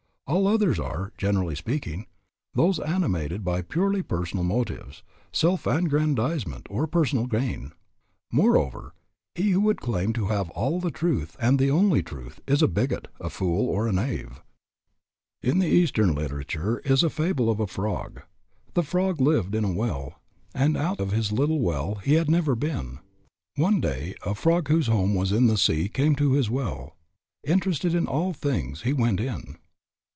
All others are, generally speaking, those animated by purely personal motives, self aggrandizement, or personal gain. Moreover, he who would claim to have all truth and the only truth, is a bigot, a fool, or a knave. In the Eastern literature is a fable of a frog. The frog lived in a well, and out of his little well he had never been. One day a frog whose home was in the sea came to his well. Interested in all things, he went in.